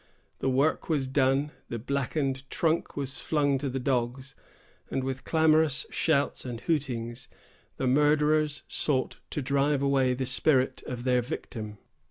The work was done, the blackened trunk was flung to the dogs, and, with clamorous shouts and hootings, the murderers sought to drive away the spirit of their victim.